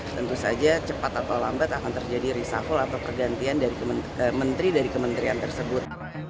tentu saja cepat atau lambat akan terjadi reshuffle atau pergantian dari menteri dari kementerian tersebut